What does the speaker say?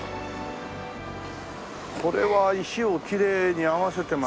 これは石をきれいに合わせてますね。